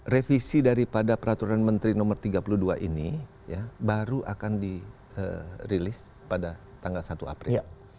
revisi daripada peraturan menteri no tiga puluh dua ini baru akan dirilis pada tanggal satu april